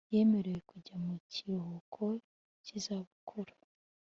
yemerewe kujya mu Kiruhuko cy izabukuru